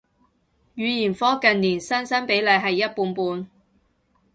語言科近年新生比例係一半半